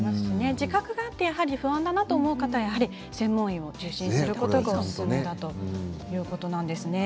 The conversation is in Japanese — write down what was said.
自覚があって気になる方は専門医を受診することをおすすめだということなんです。